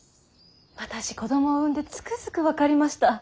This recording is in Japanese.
私子供を産んでつくづく分かりました。